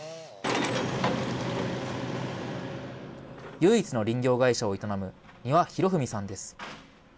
唯一の林業会社を営む丹羽裕文さんです。